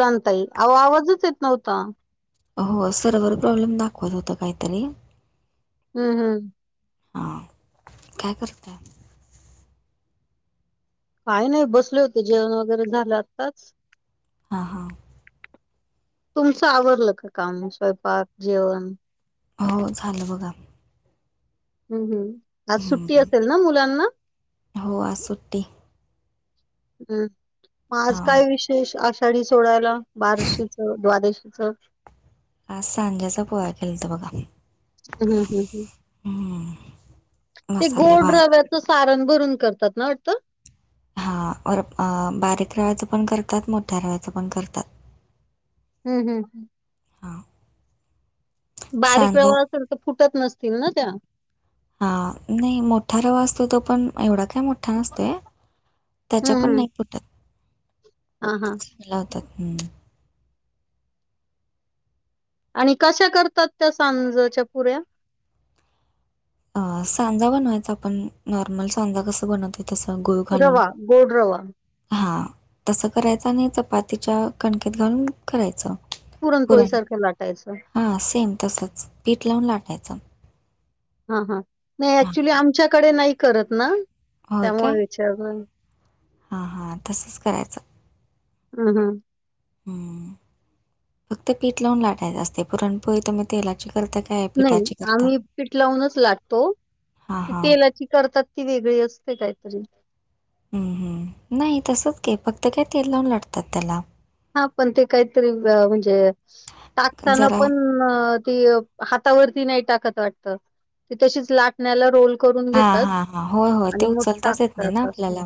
बोला ना ताई आओ आवाजच येत नव्हता. हो सर्वर प्रॉब्लेम दाखवत होत काही तरी. हम हम हा काय करतात? काय नाही बसले होते जेवण वगैरे झालं आत्ताच. हां हां. तुमचं आवरलं का, काम स्वयंपाक जेवण. हो झालं बघा. हम हम आज सुट्टी हम्म. असेल ना मुलांना. हो आज सुट्टी. हम मग आज हां काय विशेष आज. कडी सोडायला बारशीच द्वादशीचं. आज सांज्याचा पोळ्या केलत्या बघा. हम्म हम्म हम्म. ते मसाले गोड भात रव्याचं सारण भरून करतात ना वाटतं. हा बारीक रव्याचं पण करतात. मोठ्या रव्याचं पण करतात. हम्म हम्म हम्म. हां. बारीक सांजा रवा असेल तर फुटत नसतील ना त्या. हा नाही मोठा रवा असतो तो, पण एवढा काय मोठा नसतोय. हम्म त्यांच्या पण हम्म नाही फुटत. हा हा. लावतात हम. आणि कशा करतात, त्या सांजच्या पुऱ्या. सांजा बनवायचा, आपण नॉर्मल सांजा कसा बनव तो तसा गुळ घालून. रवा गोड रवा हा तसा करायचा, आणि चपातीच्या कणकीत घालून. करायचं पुरणपोळी पुरण सारखं लाटायचं हा सेम, तसंच पीठ लावून लाटायचं. हा हा नाही हां, ऍक्च्युली आमच्याकडे नाही करत ना, त्यामुळे विचारलं. हा हा तसंच करायचं. हम हम. हम हम फक्तं पीठ लावून लाटायचं असते. पुरणपोळी तुम्ही तेलाची करता. काय नाही पिठाची करता? आम्ही पिठ लावूनच लाटतो हां, हां. तेलाची करतात. ती वेगळी असते, काय तरी. हम हम नाही तसंच की, फक्त काय तेल लावून लाटतात त्याला. हा पण ते काहीतरी म्हणजे, टाकताना जरा पण. हा ती हातावरती नाही टाकत वाटतं, की तशीच लाटण्याला रोल करून हा घेतात हा हा होय होय आणि ते मग उचलताच येत नाही ना टाकतात असं. आपल्याला.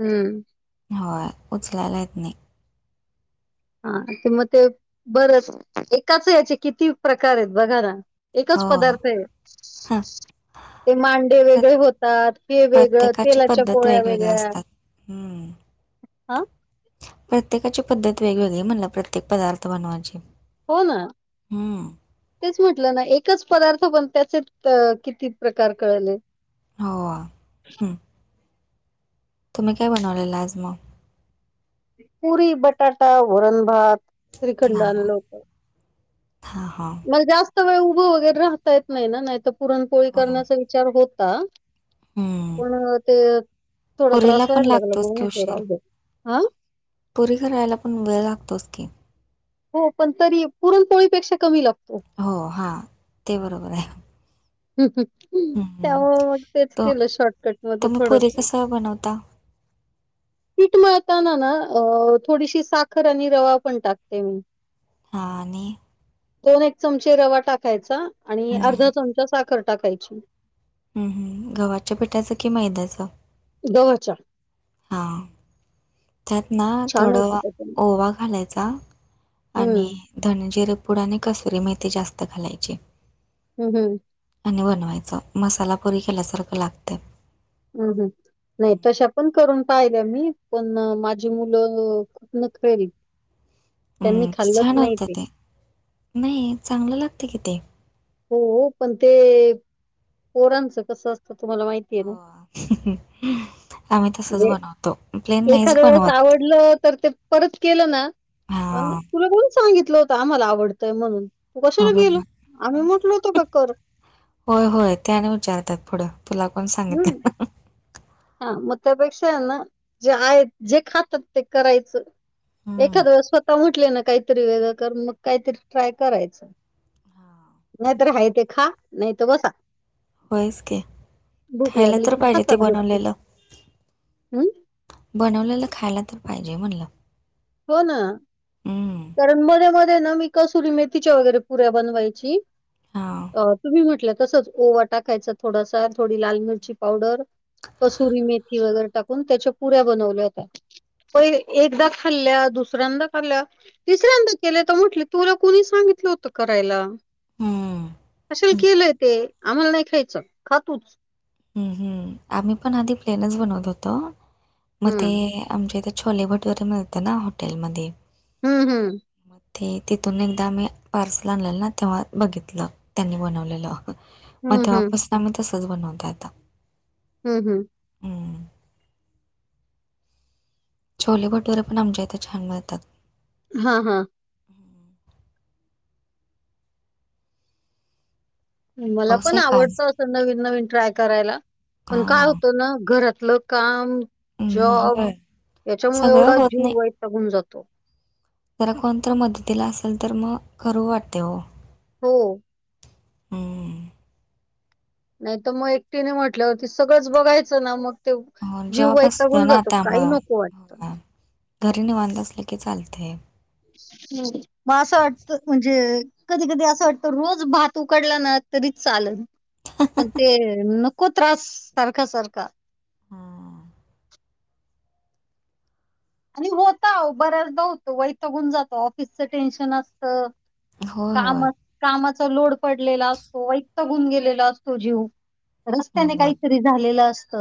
हं. होय उचलायला येत नाही. हा ते मग ते बरंच एकाच हेचे किती प्रकार आहेत बघा ना. एकच हो, पदार्थ ये. हां. ते मांडे प्र वेगळे होतात. ते वेगळं तेलाच्या पोळ्या वेगळ्या. हम. आ. प्रत्येकाची पद्धत वेगवेगळी आहे. म्हणलं प्रत्येक पदार्थ बनवायची. होय. हम्म. तेच म्हटलं ना एकच पदार्थ पण, त्याचे किती प्रकार कळले. हो हं. तुम्ही काय बनवलेला आज मग. पुरी बटाटा वरण भात श्रीखंड आणलं होतं. हा हा. जास्त वेळ उभं वगैरे राहता येत नाही ना. नाही तर पुरणपोळी होय. करण्याचा विचार होता. हं. पण ते थोडा पुरीला त्रास पण व्हायला लागला लागतोच मग की म्हणलं उशीर. राहू दे आ? पुरी करायला पण वेळ लागतोच की? हो पण तरी पुरणपोळीपेक्षा कमी लागतो. हो हां ते बरोबर हाय. ह ह त्यामुळे म तेच केलं शॉर्टकट मध्ये थोडसं. नवता [unintelligible] पीठ मळताना ना, अ थोडीशी साखर आणि रवा पण टाकते मी. ह आणि दोन एक चमचे रवा टाकायचा आणि अर्धा हं, चमचा साखर टाकायची. हम्म हम गव्हाच्या पिठाचं कि मैद्याचं? गव्हाच्या. हा त्यात ना छान होते थोडं त्याच्याने. ओवा घालायचा. आणि हं. धनजिरे पुूड आणि कसुरी मेथी जास्त घालायची. हम् हम् आणि बनवायचं मसाला पुरी केल्यासारखं लागतं. ह ह नाही तशा पण करून पाहिल्या मी, पण माझी मुलं खूप नखरेली. त्यांनी हम् खाल्लंच छान नाही होत ते, नाही चांगलं लागत कि ते. हो हो पण ते पोरांचं कसं असतं तुम्हाला माहित. हो आम्ही तसच बनवतो प्लेन नाहीच बनवत. ल तर ते परत केलं ना? पण हां. तुला कोणी सांगितलं होतं आम्हाला आवडतंय म्हणून तू कशाला हो केल? ना. होय होय ते आणि विचारतात पुढं तुला कोण सांगितल? हा मग त्यापेक्षा आहेना जे आहेत, जे खातात ते करायचं. हं, एखाद वेळेस स्वतः म्हटले ना काहीतरी वेगळं कर मग काहीतरी ट्राय करायचं. हां. नाहीत तर आहे ते खा नाहीत बसा. होयच की. भूक खायला लागली तर की पाहिजे ते खातात गपचूप. बनवलेलं. हमं बनवलेलं खायला तर पाहिजे म्हणलं. हो ना. हं, कारण मध्ये मध्ये ना मी कस्तुरी मेथीच्या वगैरे पुऱ्या बनवायची. हां. अ तुम्ही म्हटलं तसच ओवा टाकायच थोडासा थोडी लाल मिरची पावडर. कसुरी मेथी वगैरे टाकून त्याच्या पुऱ्या बनवल्या होत्या प एकदा खाल्या दुसऱ्यांदा खाल्या. तिसऱ्यांदा केलंय तर म्हटल तुला कोुणी सांगितलं होतं करायला? हम्म कशाला केलंय ते, आम्हाला नाही खायचं खातुच. आम्ही पण आधी प्लेनच बनवत होतो, मग ते हम्म आमच्या इथे छोले भटोरे मिळतना हॉटेलमध्ये. हम्म हम्म. मग ते तिथून ऐकदा आम्ही पार्सल आणलेलं ना तेव्हा बघितलं. त्यांनी बनवलेलंं मग हम्म हम्म तेव्हापासून आम्ही तसच बनवतो आता. हम् हम्. ह छोले भटुरे पण आमच्या इथे छान मिळतात. हा हा हं. मला पाऊस पण आहे का आज? आवडतं असं नवीन नवीन ट्राय करायला, पण काय हां. होतं ना घरातलं. काम, हं, जॉब होय. याच्यामुळे सगळं एवढा होत नाही. जीव वैतागून जातो. जरा कोणतर मदतीला असेल तर मग करू वाटते हो. हो. हम्म. नाही तर मग एकटीने म्हटल्यावरती सगळंच बघायचं ना मग. ते हो, जीव जॉब असतो वैतागून ना जातो, काही त्यामुळं. हो. नकोये. ना. घरी निवाांत असलं की चालतय. हं. मग असं वाटत म्हणजे, कधी कधी असं वाटतं रोज भात उकडला ना तरी चालल. पण ते नको त्रास, सारख सारखा. हा. आणि होता बऱ्याचदा होत वैतागून जातो, ऑफिसचं टेन्शन असत होय, होय. कामच. कामाचा लोड पडलेला असतो वैतागून गेलेला असतो जीव, रस्त्याने होय. काहीतरी झालेलं असत.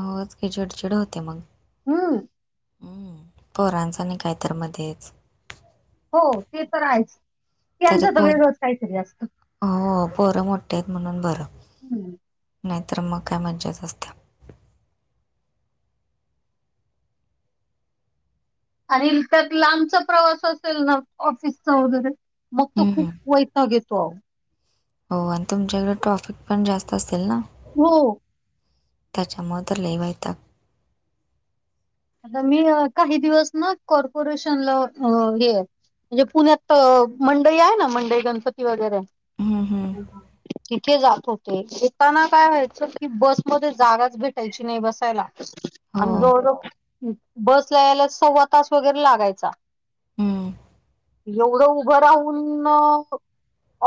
होच की चीडचिड होते मग. हम्म. हम्म पोरांच आणि काय तर मध्येच हो ते तर आहेच, तरी त्यांचा तर पोर वेगळंच काहीतरी असत हो पोरं मोठी हाईत म्हणून बरं हम्म नाहीतर मग काय मजाच असत्या. आणि तर लांबचा प्रवास असेल ना ऑफिसचा वगैरे. मग तो खूप हं, वैताग येतो. हो आणि तुमच्याकडे ट्रॉफिक पण जास्त असेल ना. हो. त्याच्या मूळं तर लई वैताग आता मी काही दिवस ना कॉर्पोरेशनला होतो हे. म्हणजे पुण्यात मंडई आहे ना, मंडई गणपती वगैरे. हं, हं. तिथे जात होते, येताना काय व्हायचं की बसमध्ये जागाच भेटायची नाही बसायला. हो. आणि जवळ जवळ बसला यायला सव्वा तास वगैरे लागायचा. हं. येवड उभं राहून म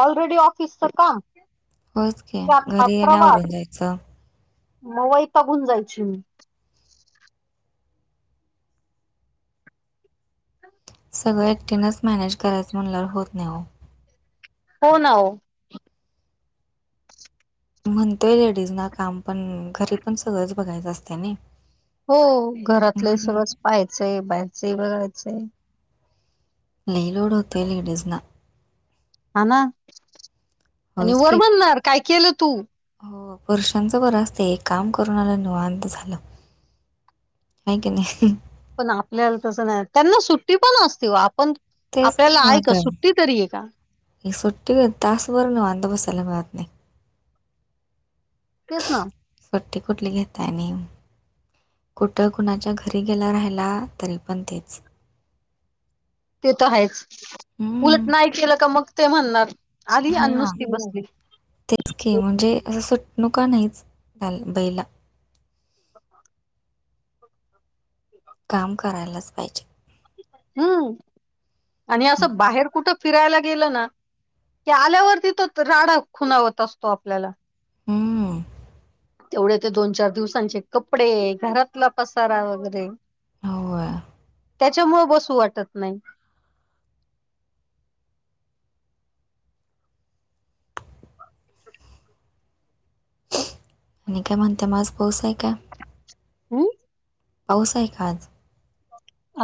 ऑलरेडी ऑफिसचं काम. होच की त्यात हा घरी येण्यावरून प्रवास जायचं. मग वैतागून जायची मी सगळं एकटीनच मॅनेज करायचं म्हणणावर होत नाही हो. हो ना ओ. म्हणतोय लेडीज ना काम पण, घरी पण सगळंच बघायचं असत ना. हो घरातलं सगळंच पाहायचंय बाहेरचंय बघायचंय. लई लोड होतंय, लेडीजना. हा ना आणि होयच वर की. म्हणणार काय केलं तू? हो वर्षांचं बरं असते एक काम करून आलं निवांत झालं. हाय की नाय अहं. पण आपल्याला तस नाही त्यांना सुट्टी पण असते आपण. तेच आपल्याला आहे का सुट्टी तरी आहे का? ह सुट्टी तासभर निवांत बसायला मिळत नाही तेस ना सूट्टी कुठली घेताय आणि. कुठं कुणाच्या घरी गेला राहयला तरी पण तेच. ते तर आहेच उलट हम्म. नाही केलं का मग ते म्हणणार आध आणि हां. नुसती बसली. तेच के म्हणजे असं नाहीच बैला. [inaudible] काम करायलाच पाहिजे. हम्म आणि असं बाहेर कुठं फिरायला गेलं ना की आल्यावरती तो राडा खुनावत असतो आपल्याला. हम्म. ते चार दिवसांचे कपडे घरातला पसारा वगैरे. होय. त्याच्यामुळे बसू वाटत नाही. आणि काय म्हणते मग आज पाऊस आहे काय? हम्म पाऊस आहे का आज?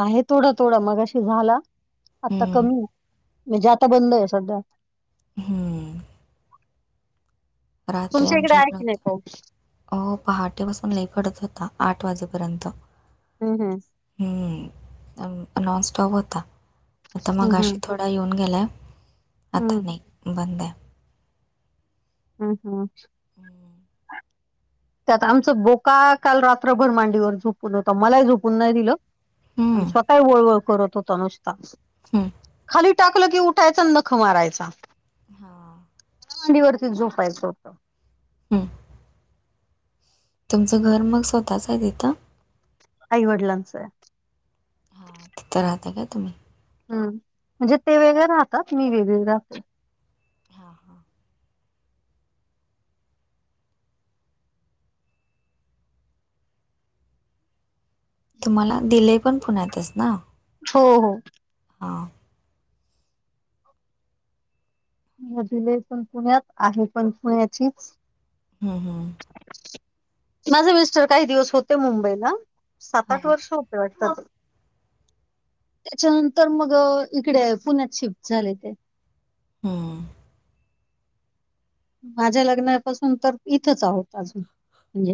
आहे थोडं थोडं मग अशी झाला आता हम्म. कमी हे. म्हणजे आता बंद आहे सध्या. हम्म. रात्री तुमच्या इकडे आमच्या आहे इकड की नाही होतं. पाऊस हो पहाटेपासून लई पडत होता, आठ वाजेपर्यंत. हम्म हम्म. हम्म नॉन स्टॉप होता आता हं, मगाशी हं, थोड येऊन गेलाय, आता हं, नाही बंद आहे. हम्म हम्म. [inaudible] त्यात आमच बोका काल रात्रभर मांडीवर झोपून होत, मलाही झोपून नाही दिलं. आणि हं, स्वतः वळ वळ करत होता नुसता हं. खाली टाकलं की उठायच आणि नखं मारायचा. हा. त्याला मांडीवरती झोपायचं होतं. हं. तुमचं घर मग स्वतःच आहे तिथं? आईवडिलांच आहे. तिथ राहता का तुम्ही? हम्म म्हणजे ते वेगळे राहतात मी वेगळी राहते. हा हा. तुम्हाला दिलय पण पुण्यातच ना? हो हो. हा. वधुलय पण पुण्यात, आहे पण पुण्याचीच. हम्म हम्म, हम्म माझे मिस्टर काही दिवस होते मुंबईला सात हां. आठ वर्ष ते वाटतं. त्याच्यानंतर मग इकडे, पुण्यात शिफ्ट झाले ते. हम. माझ्या लग्नापासून तर इथंच आहोत अजून म्हणजे.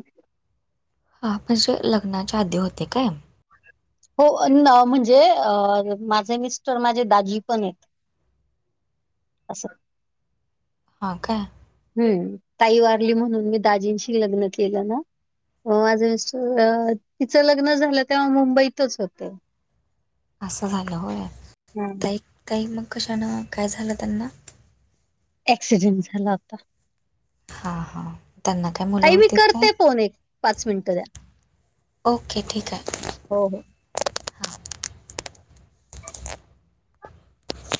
हा म्हणजे लग्नांच्या आधी होते काय. हो म्हणजे माझे मिस्टर माझे, दाजी पण येत. असं. हां काय. हम्म ताई वारली म्हणून, मी दाजींशी लग्न केलं ना. हो माझं मिस्टर तिचं लग्न झालं, तेव्हा मुंबईतच होते. असं झालं होय. हां. ताई ताई मग कशान काय झालं त्यांना. एक्सीडेंट झाला होता. हा हा त्यांना काय मुलं ताई मी होतीत काय. करते फोन एक मिनिटं द्या. ओके ठीक आहे. हो हो. हां.